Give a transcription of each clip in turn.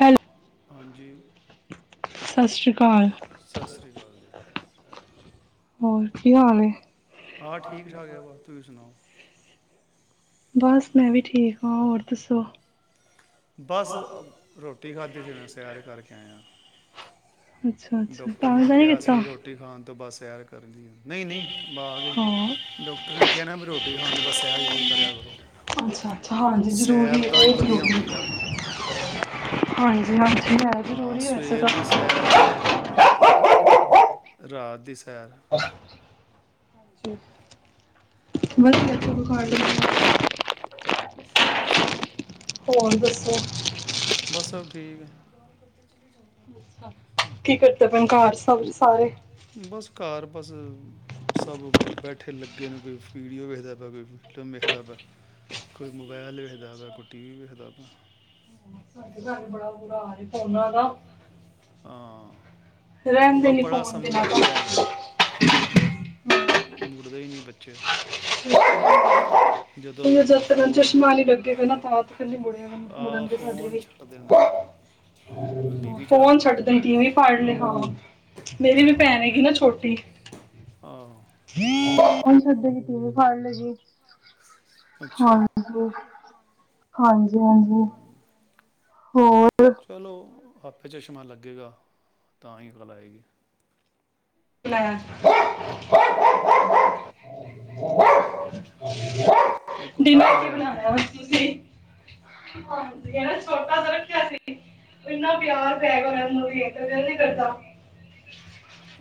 Hello. ਹਾਂਜੀ ਸਤਿ ਸ਼੍ਰੀ ਅਕਾਲ ਸਤਿ ਸ੍ਰੀ ਅਕਾਲ ਜੀ ਹੋਰ ਕੀ ਹਾਲ ਏ ਹਾਂ ਠੀਕ ਠਾਕ ਏ, ਬਸ ਤੁਸੀਂ ਸੁਣਾਓ ਬਸ ਮੈਂ ਵੀ ਠੀਕ ਹਾ ਹੋਰ ਦੱਸੋ ਬਸ ਰੋਟੀ ਖਾਧੀ ਸੀ, ਹੂਣੇ ਸੈਰ ਕਰਕੇ ਆਇਆ ਅੱਛਾ ਅੱਛਾ ਤੰਗ ਡਾਕਟਰ ਨੇ ਤਾਂ ਨਹੀਂ ਕਿਹਾ ਕੀਤਾ ਅਸੀ ਰੋਟੀ ਖਾਣ ਤੋਂ ਬਸ ਤਿਆਰ ਕਰਨਿਆ ਨਹੀਂ ਨਹੀਂ ਬਾਗ ਚ। ਹਾਂ ਡਾਕਟਰ ਨੇ ਕਹਿਆ ਵੀ ਰੋਟੀ ਖਾਣ ਤੋਂ ਬਾਦ ਸੈਰ ਜਰੂਰ ਕਰਿਆ ਕਰੋ। ਅੱਛਾ ਅੱਛਾ ਹਾਂਜੀ ਜ਼ਰੂਰੀ ਸੈਰ ਦਾ ਵੀ ਬਹੁਤ ਵਧੀਆ ਜ਼ਰੂਰੀ ਹੁੰਦੀ ਨਾ। ਹਾਂਜੀ ਹਾਂਜੀ। ਹੈ ਜ਼ਰੂਰੀ ਵੈਸੇ ਤਾਂ ਦੀ ਸੈਰ। ਜੀ ਵਧੀਆ [inaudible] ਅੱਛਾ। ਹੋਰ ਦੱਸੋ? ਬਸ ਸਭ ਠੀਕ ਏ। ਕੀ ਕਰਦੇ ਭਏ ਨੇ ਘਰ ਸਭ ਸਾਰੇ? ਘਰ ਬਸ ਸਭ ਬੈਠੇ ਲੱਗੇ ਨੇ ਕੋਈ ਵੀਡੀਓ ਵੇਖਦਾ ਪਯਾ, ਕੋਈ ਫਿਲਮ ਵੇਖਦਾ ਪਯਾ, ਕੋਈ ਮੋਬਾਇਲ ਅੱਛਾ ਵੇਖਦਾ ਵਾ, ਅੱਛਾ, ਕੋਈ ਟੀਵੀ ਵੇਖਦਾ ਵਾ। ਸਾਡੇ ਘਰ ਹੀ ਫ਼ੋਨਾਂ ਦਾ ਹਾਂ ਰਹਿੰਦੇ ਨੀ ਫੋਨ ਤੇ ਨਾਲ ਮੁੜਦੇ ਹੀ ਨਹੀਂ ਬੱਚੇ ਜ ਤ ਚਸ਼ਮਾ ਨੀ ਲੱਗੇ ਕ ਤਾਂਤੜ ਮੁੜਨਗੇ ਸਾਡੇ ਵੀ ਫੋਨ ਛੱਡ ਦੇਣ ਕਿਵੇਂ ਫੜ ਲ ਹ ਮੇਰੀ ਵੀ ਭੈਣ ਹੈਗੀ ਨਾ ਛੋਟੀ ਹਾਂ ਹਣ ਸਧ ਜ ਕੀਤੀ ਫਣ ਲ ਗੀ ਹਾਂਜੀ ਹਾਂਜੀ ਹਾਂਜੀ ਹੋਰ ਚਲੋ ਆਪੇ ਚਸ਼ਮਾਂ ਲੱਗੇਗਾ ਤਾਂ ਹੀ ਗੱਲ ਆਏਗੀ ਹ ਹਮ ਡਿਨਰ ਕੀ ਬਣਾਣਾ ਤੁਸੀਂ ਹਾਂਜੀ ਛੋਟਾ ਤਾਂ ਰੱਖਿਆ ਸੀ ਇੰਨਾ ਪਿਆਰ ਪੈ ਗਿਆ ਉਹ ਗੱਲ ਨੀ ਕਰਦਾ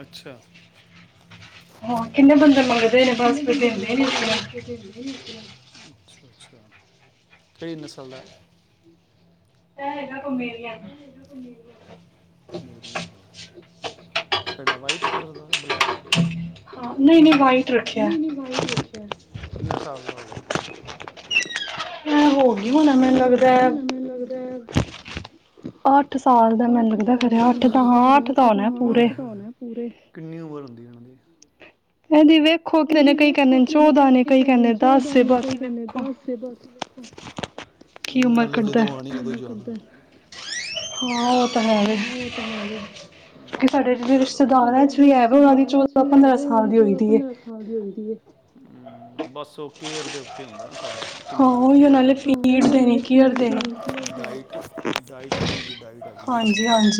ਅੱਛਾ ਹਾਂ ਕਿੰਨੇ ਬੰਦੇ ਮੰਗਦੇਨ ਕਿੰਨੇ ਬਸਪੇਟ ਬੰਦੇ ਦੇਿੰਦੇ ਨੀ ਮੰਗਦੇ ਆਪ ਅੱਛਾ ਅੱਛਾ ਕਿਹੜੀ ਨਸਲ ਦਾ ਇਹ ਕਮੇਰੀਆਂ ਅਮੀਰੀ ਨਾਲ ਕਿਹੜਾ ਵਾਈਟ ਕਲਰ ਦਾ ਬਲੈਕ ਹਾਂ ਨਹੀਂਨੇ ਵਾਈਟ ਰੱਖਿਆ ਕਿੰਨੇ ਸਾਲ ਦਾ ਹੋ ਗਿਆ ਹਮ ਹਮ ਹੋ ਹੋਣਾ ਮੈਨੂੰ ਲਗਦਾ ਅੱਠ ਸਾਲ ਦਾ ਮੈਨੂੰ ਅੱਠ ਲੱਗਦਾ ਸਾਲ ਖਰਿਆ ਅੱਠ ਪੂਨੀ ਤਾਂ ਹਾਂ ਅੱਠ ਤਾਂ ਹੋਣਾ ਪੂਰੇ ਉਰ ਹ ਦੀਵੇ ਕਦੀ ਵੇਖੋ ਕਈ ਕਹਿੰਦੇ ਦਸ ਚੋਦਾਂ ਏ ਨੇ ਕਈ ਬਾਕੀ ਕਹਿੰਦੇ ਵੇਖੋ ਦਸ ਬਸ ਵੇਖੋ ਕੀ ਉਮਰ ਕੱਢਦਾ ਜਦੋਂ ਹ ਹਾਂ ਉਹ ਤਾਂ ਹੈ ਕਿ ਸਾਡੇ ਜਿਹੜੇ ਸਾਡੇ ਰਿਸ਼ਤੇਦਾਰਾਂ ਚ ਜਿਹ ਵੀ ਹੈ ਵੇ ਉਹਨਾਂ ਰਿਸ਼ਤੇਦਾਰ ਦੀ ਚੌਦਾਂ ਪੰਦਰਾਂ ਉਹਨਾਂ ਸਾਲ ਦੀ ਹੋਈ ਚੋਦਾਂ ਏ ਪੰਦਰਾਂ ਸਾਲ ਦੀ ਹੋਈ ਦੀ ਹੈ ਹਮ ਬਸ ਉਹ ਕੇਰ ਦੇ ਉੱਤੇ ਹੁੰਦਾ ਨਾ ਸਭ ਹਾਂ ਕਿੰਨੀ ਹੋਏ ਉਹੀ ਕਰਦੀ ਨਾਲੇ ਫੀਡ ਦੇਣੀ ਕੇਅਰ ਦੇਣੀ ਜ਼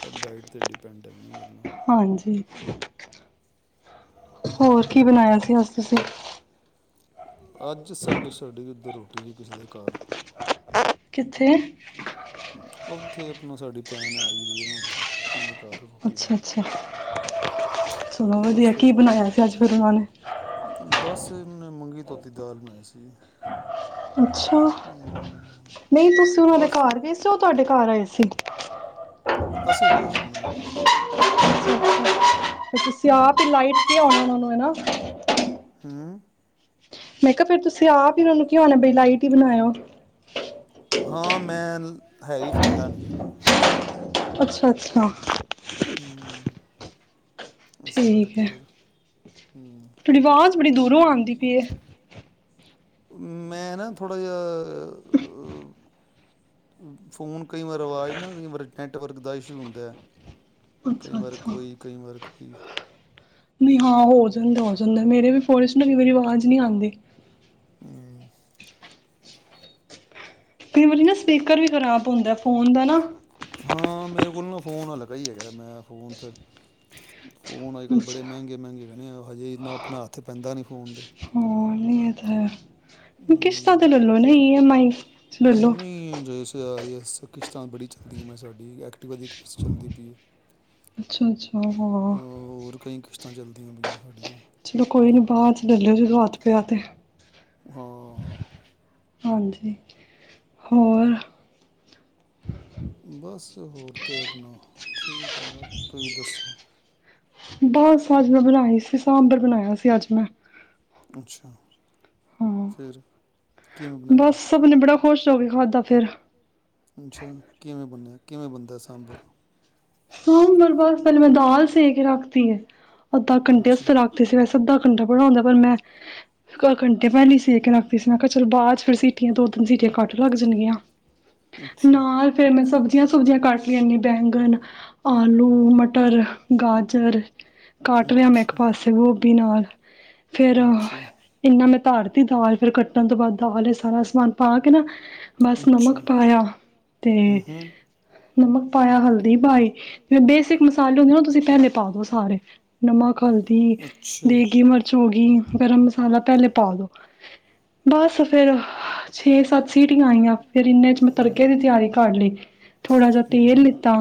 ਸਭ ਡਾਇਟ 'ਤੇ ਡਿਪੈਂਡ ਹੈਗੀਆਂ ਹਾਂਜੀ ਹੋਰ ਕੀ ਬਣਾਇਆ ਸੀ ਅ ਤੁਸੀਂ ਅੱਜ ਸਾਡੀੇ ਸਾਡੀੇ ਇੱਧਰੋਂ ਟੀ ਕਿਸੇ ਦੇ ਕਿੱਥੇ ਉੱਥੇ ਆਪਣਾ ਸਾਡੀ ਭੈਣ ਆਈ ਹੈ ਨਾ ਉੱਥੇ ਆਪਣੇ ਘਰ ਰੋਟੀ ਅੱਛਾ ਅੱਛਾ ਚਲੋ ਵਧੀਆ ਕੀ ਬਣਾਇਆ ਸੀ ਅੱਜ ਫਿਰ ਓਨਾਂ ਨੇ? ਉਹ ਨੇ ਮੰਗੀ ਧੋਤੀ ਦਾਲ ਬਣਾਈ ਸੀ ਅੱਛਾ ਨਹੀਂ ਤੁਸੀਂ ਉਹਨਾਂ ਦੇ ਘਰ ਗਏ ਸੀ ਉਹ ਤੁਹਾਡੇ ਘਰ ਆਏ ਸੀ ਅਸੀਂ ਗਏ ਸੀ ਉਨਾ ਦੇ ਹ [unintelligible] ਅੱਛਾ ਅੱਛਾ ਤੁਸੀਂ ਆਹ ਲਾਈਟ ਤੇ ਆਉਣਾ ਉਹਨਾ ਨੂੰ ਹਨਾ ਹਮ ਫੇਰ ਤੁਸੀਂ ਆ ਵੀ ਉਹਨ ਨੂੰ ਕਿਉਂਣਾ ਬਈ ਲਾਈਟ ਹੀ ਬਣਾਇਓ ਹਾਂ ਮੈ ਨੀ ਹੈਵੀ ਖਾਂਦਾ ਨਹੀ ਅੱਛਾ ਅੱਛਾ ਹਮ ਉਸ ਠੀਕ ਕਰਕੇ ਹੈ ਫਿਰ ਹਮ ਤੁਹਾਡੀ ਆਵਾਜ਼ ਬੜੀ ਦੂਰੋਂ ਆਉਂਦੀ ਪਈ ਹੈ ਮੈਂ ਨਾ ਥੋੜ੍ਹਾ ਜਿਹਾ ਫੋਨ ਕਈ ਵਾਰ ਅਵਾਜ਼ ਨਾ ਕਈ ਵਾਰ ਨੈੱਟਵਰਕ ਦਾ ਇਸ਼ੂ ਹੁੰਦਾ ਹੈ ਕਈ ਅੱਛਾ ਵਾਰ ਕੋਈ ਕਈ ਵਾਰ ਹਮ ਨਹੀ, ਹਾਂ ਹੋ ਜਾਂਦਾ, ਹੋ ਜਾਂਦਾ, ਮੇਰੇ ਵੀ ਫੋਨ ਵਿਚ ਨਾ ਕਈ ਵਾਰੀ ਆਵਾਜ ਨਈ ਆਂਦੀ। ਕਈ ਵਾਰੀ ਨਾ ਸਪੀਕਰ ਵੀ ਖਰਾਬ ਹੁੰਦਾ ਫੋਨ ਦਾ ਨਾ। ਹਾਂ, ਮੇਰੇ ਕੋਲ ਨਾ ਫੋਨ ਹਲਕਾ ਹੀ ਹੈਗਾ, ਮੈਂ ਫੋਨ ਫਿਰ ਫੋਨ ਅਜੱ-ਕੱਲ ਬੜੇ ਅੱਛਾ ਮੈਂਗੇ, ਮੈਂਗੇ ਨੇ, ਹਜੇ ਇੰਨਾ ਆਪਣਾ ਹੱਥ ਪੈਂਦਾ ਨੀ ਫੋਨ ਦੇ। ਹਾਂ, ਨੀ ਏ ਤੇ ਹੈ। ਕਿਸਤਾਂ ਤੇ ਲਲੋ ਨਾ, ਈ ਐਮ ਆਈ ਲਲੌ ਬਸ ਕਿਸ਼ਤਾਂ ਬੜੀ ਚੱਲਦੀਆ, ਮੈਂ ਸਾਡੀ ਐਕਟੀਵਾ ਦੀ ਕਿਸ਼ਤ ਚੱਲਦੀ ਪਈ ਏ। ਅੱਛਾ, ਅੱਛਾ, ਹਾਂ। ਆ ਪਈਆ ਚਲੋ ਕੋਈ ਨੀ ਬਾਦ ਚ ਲਲੌ ਜਦੋ ਹੱਥ ਪੇਆ ਤੇ। ਹਾਂ। ਹਾਂਜੀ, ਹੋਰ? ਹੋਰ ਤੇ ਅਪਣਾ ਠੀਕ ਐ ਬਸ, ਤੁਹੀ ਦੱਸੋ? ਬਸ ਅੱਜ ਮੈਂ ਬਨਾਈ ਸੀ, ਸਾਂਬਰ ਬਨਾਇਆ ਸੀ ਅੱਜ ਮੈਂ। ਅੱਛਾ, ਫੇਰ ਬਸ ਸਭ ਨੇ ਬੜਾ ਖੁਸ਼ ਚੋਂ ਵੀ ਖਾਧਦਾ ਫੇਰ ਅੱਛਾ ਕਿਵੇਂ ਬਣਿਆ ਕਿਵੇਂ ਬਣਦਾ ਸਾਂਭਰ ਸਾਂਬਰ ਬਸ ਪਹਿਲੇ ਮੈਂ ਦਾਲ ਸੇ ਕੇ ਰੱਖਤੀ ਹ ਅੱਧਾ ਘੰਟੇ ਅਸ ਰਖਦੇ ਸੀ ਵੈੇ ਸਿੱਧਾ ਕੰੰਟਾ ਬੜਉਂਦਾ ਪਰ ਮੈਂਹ ਘੰਟੇ ਮੈਂ ਨੀ ਸੀੇ ਕੇ ਲਗਦੀ ਸੀ ਮ ਕਿਹਾ ਚਲੋ ਬਾਅਦ ਚ ਫਿਰ ਸੀਟੀਆਂ ਦੋ ਤਿੰਨ ਸੀਟੀਆਂ ਕੱਟ ਲੱਗ ਜਾਣਗੀਆਂ ਨਾਲ ਫੇਿਰ ਮੈਂ ਸਭ ਸਜ਼ੀਆਂ ਸਬਜ਼ੀਆਂ ਕੱਟ ਲੈਂਦੇ ਬੈਂਗਨ ਆਲੂ ਮਟਰ ਗਾਜਰ ਕੱਟ ਰਿਹਾ ਮੈਂ ਇੱਕ ਪਾਸੇ ਗੋਭੀ ਨਾਲ ਫੇਰ ਇੰਨਾ ਮਤ ਧਰਤੀ ਦਾਲ ਫੇਰ ਕੱਟਣ ਤੋਂ ਬਾਅਦ ਦਾਲ ਇਹ ਸਾਰਾ ਸਮਾਨ ਪਾ ਕੇ ਨਾ ਬਸ ਨਮਕ ਪਾਇਆ ਤੇ ਨਮਕ ਪਾਇਆ ਹਲਦੀ ਪਾਈ ਹ ਜਿ ਬੇਸਿਕ ਮਸਾਲੇ ਹੁੰਦੇ ਨਾ ਤੁਸੀਂ ਪਹਿਲੇ ਪਾ ਦੋ ਸਾਰੇ ਨਮਕ ਹਲਦੀ ਦੇਗੀ ਮਿਰਚ ਹੋ ਗਈ ਗਰਮ ਮਸਾਲਾ ਪਹਿਲੇ ਪਾ ਦੋ ਬਸ ਫੇਿਰ ਛੇ ਸੱਤ ਸੀਟੀਆਂ ਆਈਆਂ ਫੇਰ ਇਹਨਾਂ ਚ ਮੈਂ ਤੜਕੇ ਦੀ ਤਿਆਰੀ ਕਰ ਲਈ ਥੋੜ੍ਹਾ ਜਿਹਾ ਤੇਲ ਲਿੱਤਾ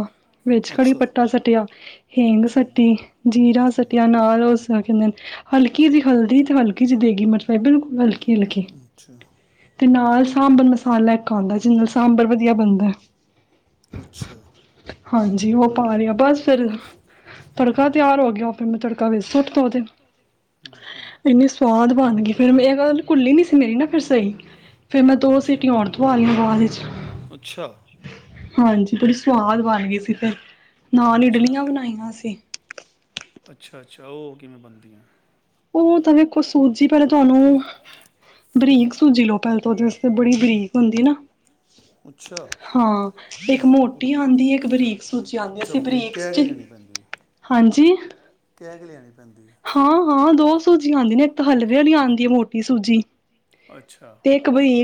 ਘੜੀ ਪ ਸੱਟਿਆ ਹੇਂਗ ਸੱਟੀ ਜੀਰਾ ਸੱਟਿਆ ਨਾਲ ਉਸ ਕਹਿੰਦੇ ਨੇ ਹਲਕੀ ਜ ਹਲਦੀ, ਤੇ ਹਲਕੀ ਚ ਦੇੱਗੀ ਮਿਰਚ, ਈ ਬਿਲਕੁਲ ਹਲਕੀ ਖੇਲ ਕੇ ਤੇ ਨਾਲ ਸਾਂਬਰ ਮਸਾਲਾ ਇੱਕ ਆਉਂਦਾ, ਜਿਨਾ ਨਾਲ ਸਾਂਬਰ ਵਧੀਆ ਬਣਦਾ। ਹਾਂਜੀ, ਉਹ ਪਾ ਰਿਹਾ ਬਸ। ਫਿਰ ਤੜਕਾ ਤਿਆਰ ਹੋ ਗਿਆ, ਫਿਰ ਮੈਂ ਤੜਕਾ ਵੇ ਸੁੱਟ ਤਾ, ਉਹਦੇ ਇੰਨੀ ਸਵਾਦ ਬਣ ਗਈ ਫਿਰ ਮੈ ਇਹ ਘੁੱਲੀ ਨੀ ਸੀ, ਮੇਰੀ ਨਾ ਫਿਰ ਸਹੀ ਫਿਰ ਮੈਂ ਦੋ ਸੀਟੀਆਂ ਓਰ ਧਆਲਈਆਂ, ਬਾਅਦ ਵਿੱਚ ਹਾਂਜੀ। ਬੜੀ ਸਵਾਦ ਬਣ ਗਈ। ਸੀ ਤਾਂ ਨਾਲ ਇਡਲੀਆਂ ਬਨਾਈਆਂ ਸੀ। ਅੱਛਾ -ਅੱਛਾ ਉਹ ਕਿਵੇਂ ਬਣਦੀਆਂ? ਉਹ ਤ ਕੋ ਸੂਜੀ ਪਹਿਲੇ ਤੁਹਾਨੂੰ ਬਰੀਕ ਸੂਜੀ ਲਓ, ਪਹਿਲ ਤਾਂ ਉਹਦੇ ਵਾਸਤੇ ਬੜੀ ਬਰੀਕ ਹੁੰਦੀ ਨਾ? ਹਾਂ ਇੱਕ ਮੋਟੀ ਆਉਂਦੀਏ, ਇੱਕ ਬਰੀਕ ਸੂਜੀ ਆਉਂਦੀ, ਅਸੀਂ ਬਰੀਕ ਚ ਹਾਂਜੀ ਜੀ। ਕੈ ਕੇ ਲੈਣੀ ਪੈਂਦੀ। ਹਾਂ ਦੋ ਸੂਜੀਆਂ ਆਉਂਦੀ ਨੇ, ਇੱਕ ਤਾਂ ਹਲਵੇ ਵਾਲੀ ਆਉਂਦੀ ਹੈ ਮੋਟੀ ਸੂਜੀ। ਅੱਛਾ।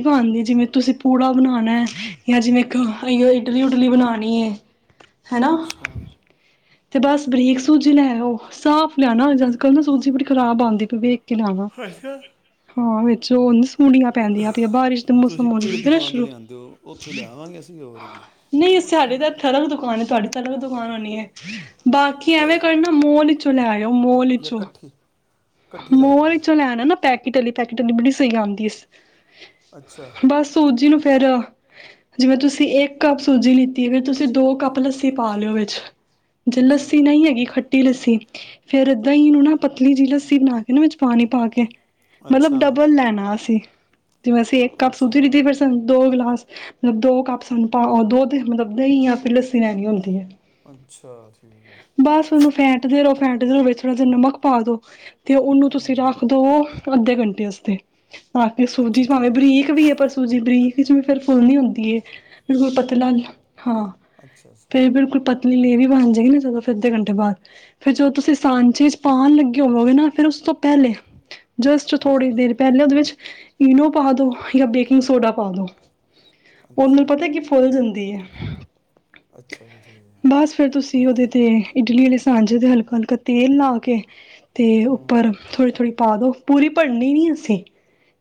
ਪਾਉਂਦੀ ਜਿਵੇਂ ਤੁਸੀਂ ਪੂੜਾ ਬਣਾਉਣਾ ਐ, ਜਾਂ ਜਿਵੇਂ ਇਡਲੀ ਉਡਲੀ ਬਣਾਉਣੀ ਹੈ। ਅੱਛਾ। ਤੇ ਬਸ ਬਰੀਕ ਸੂਜੀ ਲੈਓ, ਸਾਫ਼ ਲੈਣਾ ਕੱਲ ਸੂਜੀ ਬੜੀ ਖਰਾਬ ਆਉਂਦੀ, ਪਖ ਕਿਾ ਹਾਂ [inaudible] ਜੋੋਨਸ ਪੜੀਆਂ ਪੈਂਦੀਆਂ ਪ ਬਾਰਿਸ਼ ਦੇ ਮੌਸਮ ਆ ਫ ਨਾ ਸ਼ੁਰੂ ਨਹੀਂ ਸਾਡੇ ਦੇ ਹੱਥਾਂ ਰ ਦੁਕਾਨ ਤੁਹਾਡੀ ਤੁਹਾਨੂੰ ਵੀ ਦੁਕਾਨ ਹੋਣੀ ਹੈ? ਬਾਕੀ ਐਵੇਂ ਕਰਨਾ, ਮੋਹਲ ਚੋਂ ਲੈ ਆਇਓ ਮੋਲੋਂਚੋ ਮੋਲ ਚੋ ਲਿਆਣਾ ਨਾ ਪੈਕੇਟ ਵਾਲੀ, ਪੈਕੇਟੀ ਬੜੀ ਸਹੀ ਆਉਦੀ ਇਸ ਬਸ ਸੂਜੀ ਨੂੰ ਫੇਰ, ਜਿਵੇਂ ਤੁਸੀਂ ਇੱਕ ਕੱਪ ਸੂਜੀ ਲਿੱਤੀ ਹੈ। ਤੁਸੀਂ ਦੋ ਕੱਪ ਲੱਸੀ ਪਾ ਲਿਓ ਵਿੱਚ। ਅੱਛ ਜੇ ਲੱਸੀ ਨਹੀਂ ਹੈਗੀ ਖੱਟ ਖੱਟੀ ਲੱਸੀ, ਫੇਰ ਏਦਾਂ ਹੀ ਨੂੰ ਨਾ ਪਤਲੀ ਜਿਹੀ ਲੱਸੀ ਬਣਾ ਕੇ ਵਿੱਚ ਪਾਣੀ ਪਾ ਕੇ ਮਤਲਬ ਡਬਲ ਲੈਣਾ ਅਸੀਂ ਜਿਵੇਂ ਅਸੀਂ ਇੱਕ ਕੱਪ ਸੁੱਧੀਤੀ ਫਿਰ ਸਾਨੂੰ ਦੋ ਗਲਾਸ ਮਤਲਬ ਦੋ ਕੱਪ ਸਾਨੂੰ ਪਾ ਦੋ ਮਤਲਬ ਦਹੀਂ ਜਾਂ ਫਿਰ ਲੱਸੀ ਲੈਣੀ ਹੁੰਦੀ ਹੈ ਬਸ ਉਹਨੂੰ ਫੈਂਟਦੇ ਰੋ ਪੈਂਡ ਵਿੱਚ ਥੋ੍ਹ ਜੇ ਨਮਕ ਪਾ ਦੋ ਅਤੇ ਉਹਨੂੰ ਤੁਸੀਂ ਰੱਖ ਦਿਉ ਅੱਧੇ ਘੰਟੇਸਤੇ ਆ ਕੇ ਸੂਜੀ ਭਾਵੇਂ ਬਰੀਕ ਵੀ ਹੈ ਪਰ ਸੂਜੀ ਬਰੀਕ ਚ ਫੇਿਰ ਫੁੱਲ ਨੀ ਆਉਦੀ ਹੈ ਮੇਰੇ ਕੋਲ ਪਤਾ ਲਾ ਹਾਂ ਫਿਰ ਬਿਲਕੁਲ ਪਤਾ ਆਪਣੀ ਲੇਵ ਵੀ ਬਣ ਜਾਏਗੀ ਨਾ ਜਦ ਫਿਰ ਅੱਧੇ ਘੰਟੇ ਬਾਅਦ ਫੇਰ ਜਦੋਂ ਤੁਸੀਂ ਸਾਂਝੇ ਚ ਆ ਲੱਗੇ ਹੋਵੋਗੇ ਨਾ ਫਿਰ ਉਸ ਤੋਂ ਪਹਿਲੇ ਜਸਟ ਥੋੜੀ ਦੇਰ ਪਹਿਲੇ ਉਹਦੇ ਵਿੱਚ ਇਨੋ ਪਾ ਦੋ ਜਾਂ ਬੇਕਿੰਗ ਸੋਡਾ ਪਾ ਦੋ ਉਹ ਮੈਨੂੰ ਪਤਾ ਕਿ ਫੁੱਲ ਜਾਂਦੀ ਹੈ ਬਸ ਫਿਰ ਤੁਸੀਂ ਉਹਦੇ ਤੇ ਇਡਲੀ ਵਾਲੇ ਸਾਂਝੇ ਤੇ ਹਲਕਾ ਤੀਏ ਤੇ ਉੱਪਰ ਥੋੜ੍ਹੀ ਥੋੜ੍ਹੀ ਪਾ ਦੋ ਪੂਰੀ ਭਰਨੀ ਨੀ ਅਸੀਂ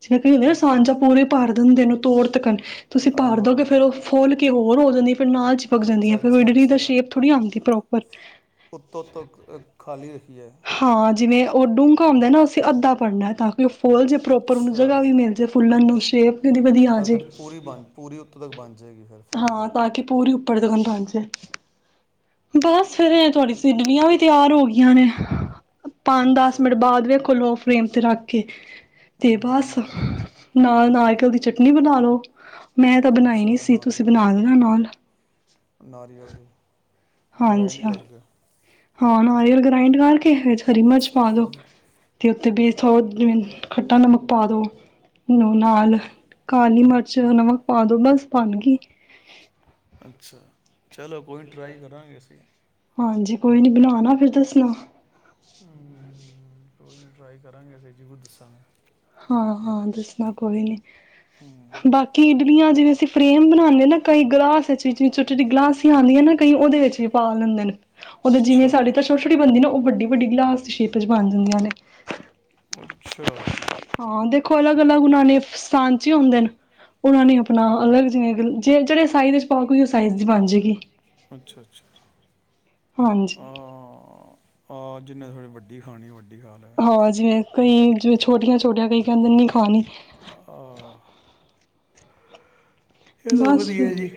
ਜਿਵੇਂ ਕ ਹੁੰਦੇ ਨਾ ਸਾਂਝਾ ਪੂਰੇ ਭਰ ਦਿੰਦੇ ਨੂੰ ਤੋੜ ਤਕਣ ਤੁਸੀਂ ਭਰ ਦੋਗੇ ਫੇਰ ਉਹ ਫੋਲ ਕੇ ਹੋਰ ਦਨੀੀ ਫਿਰ ਨਾਲਚ ਪੱਕ ਜਾਂਦੀ ਫਿਰ ਵਿਡਲੀ ਦੀ ਸ਼ੇਪ ਥੋੜ੍ਹੀ ਆਉਦੀ ਪ੍ਰੋਪ ਪਰ ਉੱਤੋਂ ਉੱਤ ਖਾਲੀ ਰੱਖੀ ਹੈ ਹਾਂ ਜਿਵੇਂ ਉਹ ਡੂੰਘ ਆਉਂਦਾ ਨਾ ਅਸੀਂ ਅੱਾੜ੍ਹਨਾ ਤਾਂ ਫੋਲ ਜੇ ਪ੍ਰੋਪਰਨੂੰ ਜਗ੍ਹਾ ਵੀ ਮਿਲ ਜਾ ਫੁੱਲਾਂ ਨੂੰ ਸ਼ੇਪ ਵੀ ਉਹਦੀ ਵਧੀਆ ਆ ਜੇ ਫਿਰ ਪੂਰੀ ਬਣ ਪੂਰੀ ਉੱਥੋਂ ਤੱਕ ਬਣ ਜਾਏਗੀ ਫਿਰ ਫੁੱਲ ਕੇ ੱਪੜੇ ਦਖਣ ਪੰਜਛ ਬਸ ਫਿਰ ਤੁਹਾਡੀ ਸਿਡਵੀਆਂ ਵੀ ਤਿਆਰ ਹੋ ਗਈਆਂ ਨੇ ਪੰਜ ਦਸ ਮਿੰਟ ਬਾਅਦ ਵਖੋਲੋ ਪ੍ਰੇਮ ਤੇ ਰੱਖ ਕੇ ਤੇ ਬਸ ਨਾ ਨਾ ਅੱਜਕੱਲ੍ਹ ਦੀ ਚਟਨੀ ਬਣਾ ਲੋ ਮੈਂ ਤਾਂ ਬਣਾਈ ਨੀ ਸੀ ਤੁਸੀਂ ਬਣਾ ਦੇਣਾ ਨਾਲ ਗ੍ਰਾਈੰਡ ਹਾਂਜੀ ਹਾਂ ਕਰਕੇ ਹਾਂ ਨਾਰੀਅਲ ਗ੍ਰਾਇੰਡ ਕਰਕੇ ਹਰੀ ਮਿਰਚ ਪਾ ਦੋ ਤੇ ਉੱਥੇ ਬੇ ਸਥੋਨ ਖੱਟਾ ਨਮਕ ਪਾ ਦੋ ਨਾਲ ਕਾਲੀ ਮਿਰਚ ਨਮਕ ਪਾ ਦੋ ਬਸ ਬਣ ਗਈ ਚਲੋ ਕੋਈ ਟਰਾਈ ਕਰਾਂਗੇ ਅਸੀਂ ਹਾਂਜੀ ਕੋਈ ਨੀ ਬਣਾਣਾ ਫਿਰ ਦੱਸਣਾ ਹਮਮ ਚੋ ਟਰਾਈ ਕਰਾਂਗੇ ਜ਼ਰੂਰ ਦੱਸਾਂਗੇੈਂ ਹਾਂ ਹਾਂ ਦੱਸਣਾ ਕੋਈ ਨੀ ਬਾਕੀ ਇਡਲੀਆਂ ਜਿਵੇਂ ਅਸੀਂ ਫਰੇਮ ਬਣਾਉਂਦੇ ਨਾ ਕਈ ਗਿਲਾਸਿਵੇ ਛੋਟੀ ਛੋਟੀ ਗਲਾਸੀਆਂ ਆਉਂਦੀਆਂ ਨਾ ਕਈ ਉਹਦੇ ਵਿੱਚ ਵੀ ਪਾ ਲੈਂਦੇ ਨੇ ਉਹਦੇ ਜਿਵੇਂ ਸਾਡੀ ਤਾਂ ਛੋਟੀ ਛੋਟੀ ਬਣਦੀ ਨਾ ਉਹ ਵੱਡੀ ਵੱਡੀ ਗਲਾਸ ਦੀ ਸ਼ੇਪ ਚ ਬਣ ਜਾਂਦੀਆਂ ਨੇ ਉਹਦੇਖੋਲ ਅ ਅਲੱਗ ਉਹਨਾਂ ਨੇ ਸਾਂਝੇ ਹੁੰਦੇ ਨੇ ਉਹਨਾਂ ਨੇ ਆਪਣਾ ਅਲੱਗ ਜਿਵੇਂ ਜੇਿਹੜੇ ਸਾਈਜ਼ ਵਿੱਚ ਪਾ ਸਪੋਕੋ ਸਾਈਜ਼ ਬਣ ਜਾਏਗੀ ਹਾਂਜੀ ਹਾਂ ਜਿੰਨੇ ਥੋੜੀ ਵੱਡੀ ਖਾਣੀ ਵੱਡੀ ਜੀਹਾ ਹਾਂ ਜਿਵੇਂ ਕਈ ਜ ਛੋਟੀਆਂ ਛੋਟੀਆਂ ਕਈ ਕਹਿੰਦੇ ਨਹੀਂ ਖਾਣੀ ਆਹਾ ਬਸ ਫਿਰ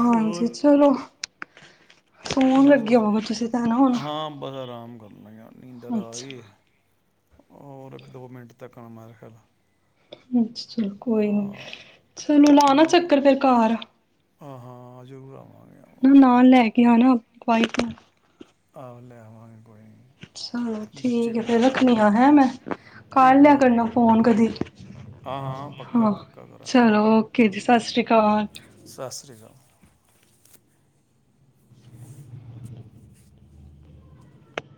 ਹਾਂਜੀ ਚਲੋ ਸੋਣ ਲੱਗਿਆ ਵ ਤੁਸੀਂ ਤਾਂ ਨਾ ਹੁਣ ਮੈਂ ਕਿਹਾ ਨੀਦਰ ਆ ਗਈ ਅੱਛਾ। ਏ ਹੋਰ ਇੱਕ ਦੋ ਮਿੰਟ ਤੱਕ ਆ ਫਿਲਹਾਲ ਅੱਛ ਚਲੋ ਕੋਈ ਨੀ ਚਲੋ ਲਾ ਨਾ ਚੱਕਰ ਫੇਿਰ ਘਰ ਹਾਂ ਹਾਂ ਆ ਜੂਆ ਮੈਂ ਨਾਲ ਲੈ ਕੇ ਆਣਾ ਵਾਈਫ ਨੂੰ ਆ ਹੋ ਲੈ ਆਵਾਂਗੇ ਚਲੋ ਠੀਕ ਹੈ ਫਿਰ ਰੱਖਣੀ ਆ ਹੈ ਮੈਂ ਕਰ ਲਿਆ ਕਰਨਾ ਫੋਨ ਕਦੀ ਹਾਂ ਚਲੋ ਓਕੇ ਜੀ ਸਤਿ ਸ੍ਰੀ ਸਤਿ ਸ਼੍ਰੀ ਅਕਾਲ